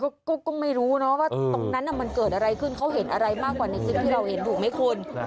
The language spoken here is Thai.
ก็ไม่รู้นะว่าตรงนั้นมันเกิดอะไรขึ้นเขาเห็นอะไรมากกว่าในคลิปที่เราเห็นถูกไหมคุณ